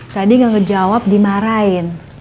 tadi nggak ngejawab dimarahin